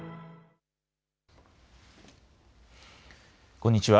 こんにちは。